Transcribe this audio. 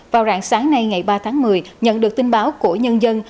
vào rạng sáng nay ngày ba tháng một mươi nhận được tin báo của nhân dân